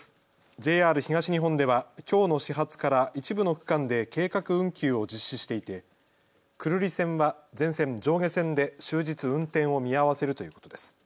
ＪＲ東日本ではきょうの始発から一部の区間で計画運休を実施していて久留里線は全線、上下線で終日運転を見合わせるということです。